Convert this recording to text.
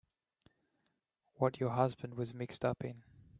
What your husband was mixed up in.